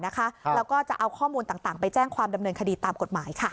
แล้วก็จะเอาข้อมูลต่างไปแจ้งความดำเนินคดีตามกฎหมายค่ะ